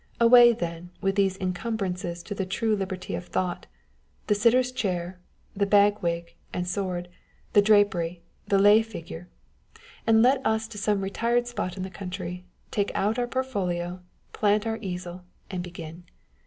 Away, then, with those in cumbrances to the true liberty of thought â€" the sitter's chair, the bag wig and sword, the drapery, the lay figure â€" and let us to some retired spot in the country, take out our portfolio, plant our easel, and begin.